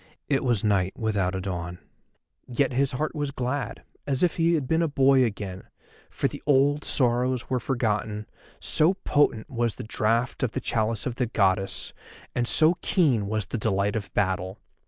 It was night without a dawn. Yet his heart was glad, as if he had been a boy again, for the old sorrows were forgotten, so potent was the draught of the chalice of the Goddess, and so keen was the delight of battle.